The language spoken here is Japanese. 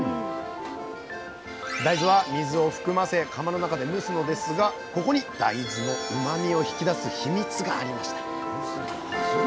大豆は水を含ませ釜の中で蒸すのですがここに大豆のうまみを引き出すヒミツがありました。